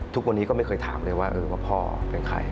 ทุกวันนี้ก็ไม่เคยถามเลยว่าพ่อเป็นใคร